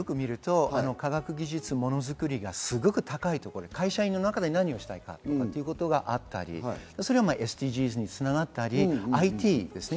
科学技術、ものづくりがすごく高いところ、会社員の中で何をしたいかってことがあったり、ＳＤＧｓに繋がったり、ＩＴですね。